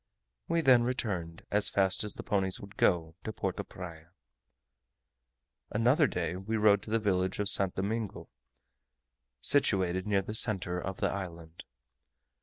We then returned, as fast as the ponies would go, to Porto Praya. Another day we rode to the village of St. Domingo, situated near the centre of the island.